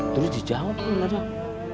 terus dijawab kang dadang